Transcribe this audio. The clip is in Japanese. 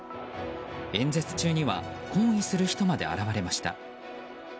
演説中には抗議する人まで現れました。